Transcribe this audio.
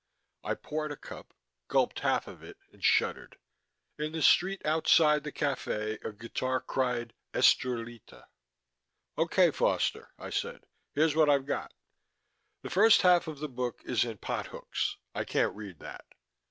I poured a cup, gulped half of it, and shuddered. In the street outside the cafe a guitar cried Estrellita. "Okay, Foster," I said. "Here's what I've got: The first half of the book is in pot hooks I can't read that.